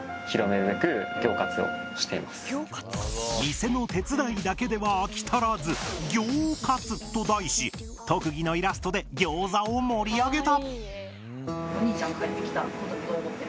店の手伝いだけでは飽き足らず「ギョー活」と題し特技のイラストでギョーザを盛り上げた！